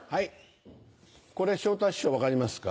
これ昇太師匠分かりますか？